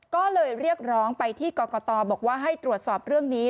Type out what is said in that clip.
ก็เลยเรียกร้องไปที่กรกตบอกว่าให้ตรวจสอบเรื่องนี้